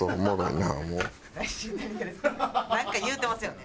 なんか言うてますよね？